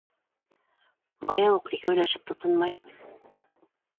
Бая уҡ икәүләшеп тотонмай...